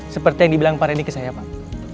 seperti yang dibilang para ini ke saya pak